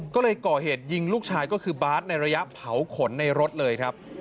ก็เลยก่อเหตุยิงลูกชายก็คือบาทในระยะเผาขนในรถเลยครับ